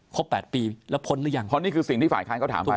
แปดปีแล้วพ้นหรือยังเพราะนี่คือสิ่งที่ฝ่ายค้านเขาถามไป